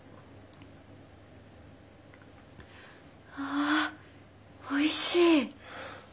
あおいしい。